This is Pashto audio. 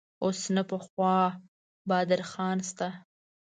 اوس نه پخوانی بادر خان شته.